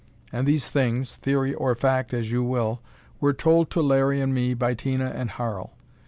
And these things theory or fact, as you will were told to Larry and me by Tina and Harl.